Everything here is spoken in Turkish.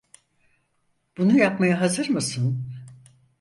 Bunu yapmaya hazır mısın?